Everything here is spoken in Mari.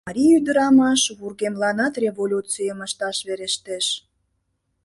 Марий ӱдырамаш вургемланат революцийым ышташ верештеш.